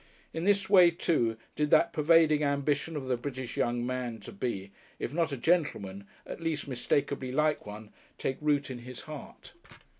In this way, too, did that pervading ambition of the British young man to be, if not a "gentleman," at least mistakably like one, take root in his heart.